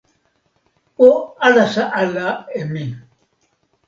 o alasa ala e mi!